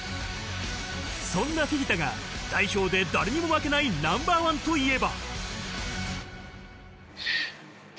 そんなフィフィタが代表で誰にも負けないナンバーワンといえば。